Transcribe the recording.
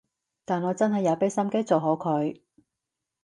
但我真係有畀心機做好佢